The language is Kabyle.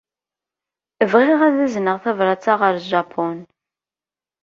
Bɣiɣ ad azneɣ tabṛat-a ɣer Japun.